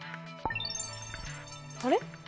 あれ？